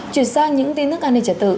chuyển sang những tin tức an ninh trả tự